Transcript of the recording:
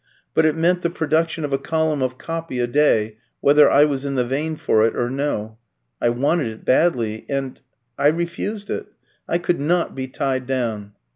But it meant the production of a column of 'copy' a day, whether I was in the vein for it or no. I wanted it badly, and I refused it. I could not be tied down.